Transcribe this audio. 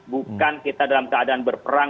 bukan kita dalam keadaan berperang